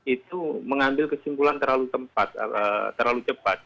itu mengambil kesimpulan terlalu cepat